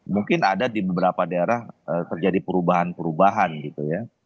mungkin ada di beberapa daerah terjadi perubahan perubahan gitu ya